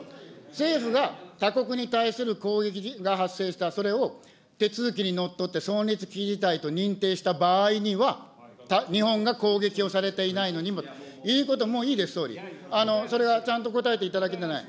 政府が他国に対する攻撃が発生した、それを手続きにのっとって、存立危機事態と認定した場合には、日本が攻撃をされていないのにも、もういいです、総理、それはちゃんと答えていただけていない。